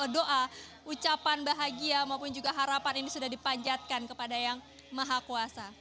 doa ucapan bahagia maupun juga harapan ini sudah dipanjatkan kepada yang maha kuasa